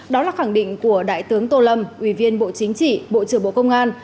đó là khẳng định của đại tướng tô lâm ủy viên bộ chính trị bộ trưởng bộ công an